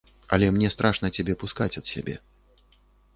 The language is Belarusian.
Але мне страшна цябе пускаць ад сябе.